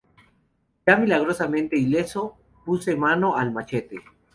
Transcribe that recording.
yo, milagrosamente ileso, puse mano al machete: